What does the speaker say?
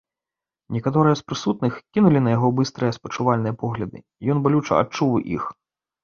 Некаторыя з прысутных кінулі на яго быстрыя спачувальныя погляды, і ён балюча адчуў іх.